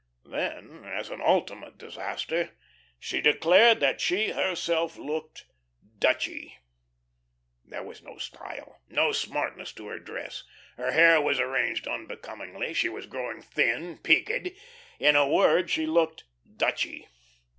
Then, as an ultimate disaster, she declared that she herself looked "Dutchy." There was no style, no smartness to her dress; her hair was arranged unbecomingly; she was growing thin, peaked. In a word, she looked "Dutchy."